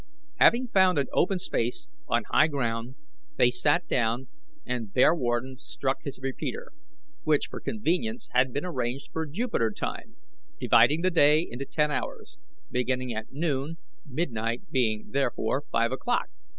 Having found an open space on high ground, they sat down, and Bearwarden struck his repeater, which, for convenience, had been arranged for Jupiter time, dividing the day into ten hours, beginning at noon, midnight being therefore five o'clock.